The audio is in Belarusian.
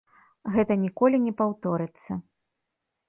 Гэта ніколі не паўторыцца.